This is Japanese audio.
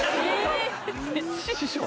師匠？